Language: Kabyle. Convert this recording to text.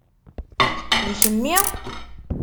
D kemmi?